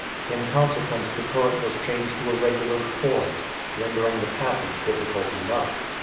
In consequence the current was changed to a regular torrent, rendering the passage difficult enough.